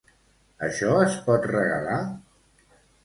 Això es pot regalar?